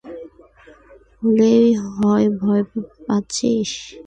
বললেই হয় ভয় পাচ্ছিস!